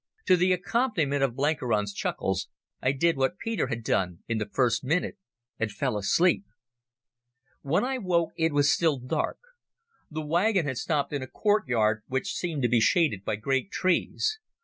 To the accompaniment of Blenkiron's chuckles I did what Peter had done in the first minute, and fell asleep. When I woke it was still dark. The wagon had stopped in a courtyard which seemed to be shaded by great trees.